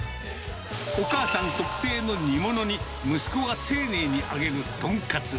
お母さん特製の煮物に息子が丁寧に揚げるトンカツ。